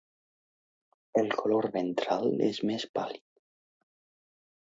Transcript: El color ventral és més pàl·lid.